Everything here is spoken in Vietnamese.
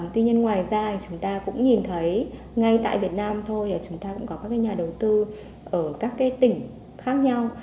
tuy nhiên ngoài ra chúng ta cũng nhìn thấy ngay tại việt nam thôi là chúng ta cũng có các nhà đầu tư ở các tỉnh khác nhau